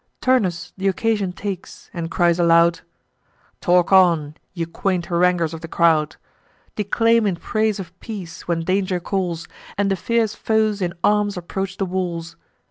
Turnus th' occasion takes, and cries aloud: "Talk on, ye quaint haranguers of the crowd: Declaim in praise of peace, when danger calls, And the fierce foes in arms approach the walls."